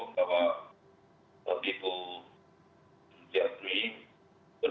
bahwa wakil menteri desa budi ari